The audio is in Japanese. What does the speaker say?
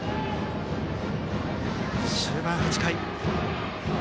終盤８回。